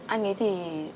anh ấy thì